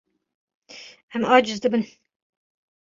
Em aciz dibin.